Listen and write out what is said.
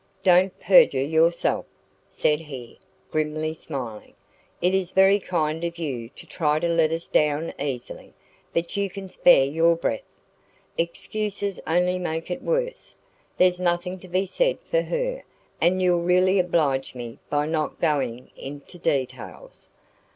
"Don't perjure yourself," said he, grimly smiling. "It is very kind of you to try to let us down easily, but you can spare your breath. Excuses only make it worse. There's nothing to be said for her, and you'll really oblige me by not going into details.